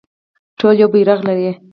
ټول یو بیرغ لري